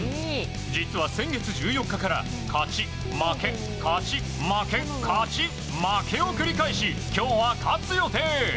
実は先月１４日から勝ち、負け、勝ち、負け勝ち、負けを繰り返し今日は勝つ予定。